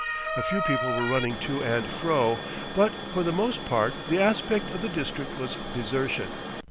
A few people were running to and fro, but for the most part the aspect of the district was desertion.